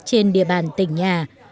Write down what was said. trên địa bàn tỉnh nhà